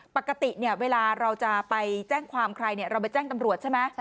ปกติเวลาเราจะไปแจ้งความใครเราไปแจ้งตำรวจใช่ไหม